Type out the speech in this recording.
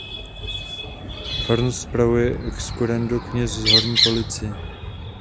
Farnost spravuje excurrendo kněz z Horní Police.